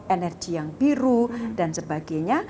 energi yang biru dan sebagainya